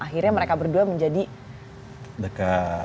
akhirnya mereka berdua menjadi dekat